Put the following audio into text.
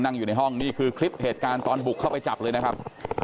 นั่งอยู่ในห้องนี่คือคลิปตอนเผลอเถิดกลางเถิดบุกใต้จับเลยนะครับ